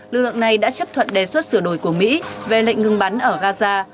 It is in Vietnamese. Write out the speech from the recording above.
lực lượng này đã chấp thuận đề xuất sửa đổi của mỹ về lệnh ngừng bắn ở gaza